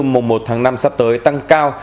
mùng một tháng năm sắp tới tăng cao